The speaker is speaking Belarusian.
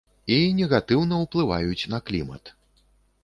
І негатыўна ўплываюць на клімат.